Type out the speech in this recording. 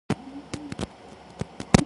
His Formula One career was over.